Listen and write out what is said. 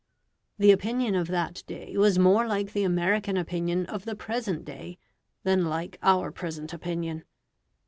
The opinion of that day was more like the American opinion of the present day than like our present opinion.